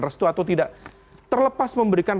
restu atau tidak terlepas memberikan